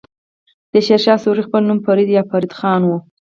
د شير شاه سوری خپل نوم فريد يا فريد خان وه.